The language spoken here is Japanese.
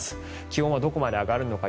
気温はどこまで上がるのか。